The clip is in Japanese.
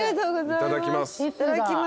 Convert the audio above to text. いただきます。